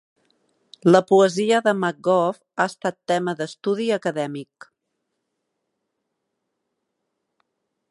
La poesia de McGough ha estat tema d'estudi acadèmic.